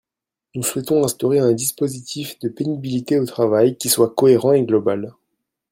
Nous souhaitons instaurer un dispositif de pénibilité au travail qui soit cohérent et global.